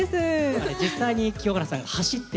実際に清原さんが走って。